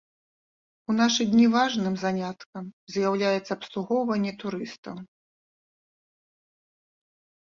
У нашы дні важным заняткам з'яўляецца абслугоўванне турыстаў.